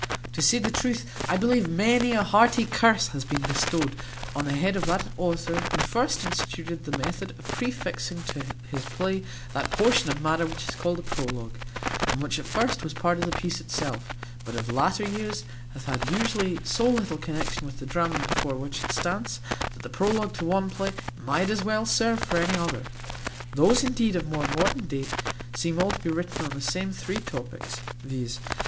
To say the truth, I believe many a hearty curse hath been devoted on the head of that author who first instituted the method of prefixing to his play that portion of matter which is called the prologue; and which at first was part of the piece itself, but of latter years hath had usually so little connexion with the drama before which it stands, that the prologue to one play might as well serve for any other. Those indeed of more modern date, seem all to be written on the same three topics, viz.